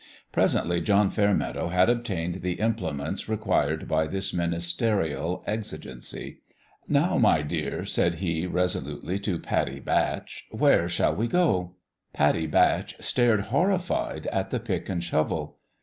Presently John Fairmeadow had obtained the implements required by this ministerial exigency. " Now, my dear," said he, resolutely, to Pattie Batch, " where shall we go? " Pattie Batch stared horrified at the pick and shovel.